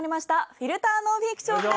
『フィルター・ノンフィクション』です！